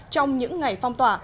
trong những ngày phong tỏa